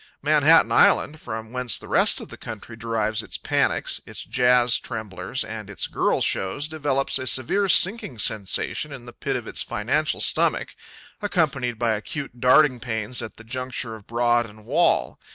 Manhattan Island, from whence the rest of the country derives its panics, its jazz tremblors and its girl shows, develops a severe sinking sensation in the pit of its financial stomach, accompanied by acute darting pains at the juncture of Broad and Wall.